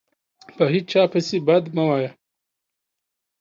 په هیچا پسي بد مه وایه